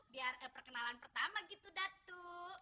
biar perkenalan pertama gitu datuk